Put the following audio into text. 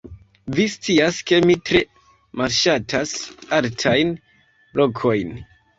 Vi scias ke mi tre malŝatas altajn lokojn